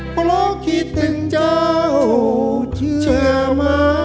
เพราะคิดถึงเจ้าเชื่อมา